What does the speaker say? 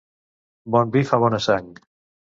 Bon vi fa bona sang.